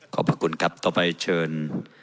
ขอบคุณครับต่อไปเชิญ